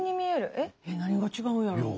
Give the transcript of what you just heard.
何が違うんやろう？